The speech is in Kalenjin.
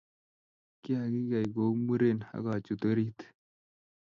Kiakikei kou muren akachut orit